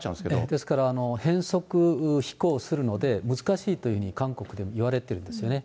ですから、変則飛行するので、難しいというふうに韓国でもいわれてるんですね。